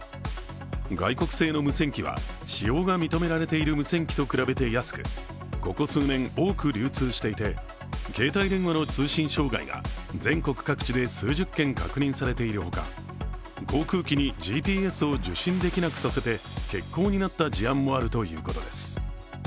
外国製の無線機は使用が認められている無線機と比べて安くここ数年、多く流通していて、携帯電話の通信障害が全国各地で数十件、確認されているほか、航空機にＧＰＳを受信できなくさせて欠航になった事案もあるということです。